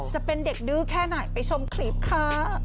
จะเป็นเด็กดื้อแค่ไหนไปชมคลิปค่ะ